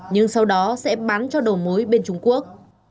nhưng sau đó sẽ bán cho đầu mối bên trung quốc